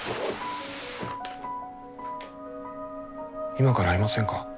今から会いませんか？